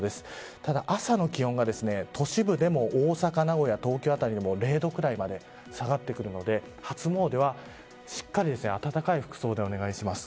ただ朝の気温が都市部でも大阪、名古屋、東京辺りでも０度ぐらいまで下がってくるので初詣はしっかり暖かい服装でお願いします。